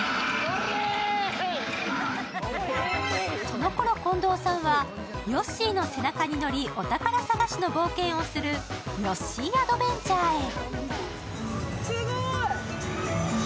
そのころ近藤さんは、ヨッシーの背中に乗り、お宝探しの冒険をするヨッシー・アドベンチャーへ。